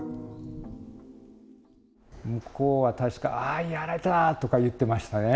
向こうは確か、ああー、やられたとか言ってましたね。